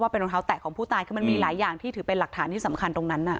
เป็นรองเท้าแตะของผู้ตายคือมันมีหลายอย่างที่ถือเป็นหลักฐานที่สำคัญตรงนั้นน่ะ